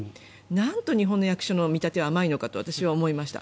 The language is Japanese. なんと日本の役所の見立ては甘いのかと私は思いました。